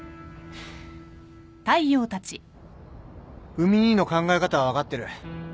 海兄の考え方は分かってる。